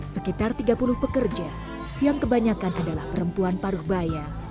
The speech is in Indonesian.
sekitar tiga puluh pekerja yang kebanyakan adalah perempuan paruh baya